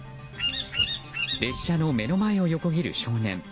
列車の目の前を横切る少年。